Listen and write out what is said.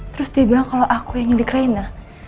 terus dia bilang kalau aku yang nyulik rena